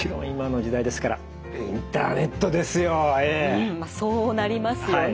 うんまあそうなりますよね。